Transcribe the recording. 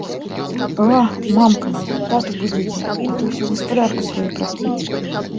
А, мамка, тату будзіце, а то ўсю гаспадарку сваю праспіць.